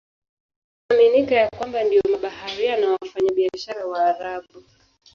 Inaaminika ya kwamba ndio mabaharia na wafanyabiashara Waarabu.